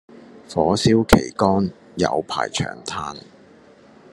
火燒旗杆有排長炭